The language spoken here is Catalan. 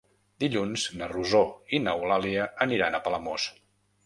Dilluns na Rosó i n'Eulàlia aniran a Palamós.